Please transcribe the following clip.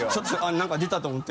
「何か出た」と思って。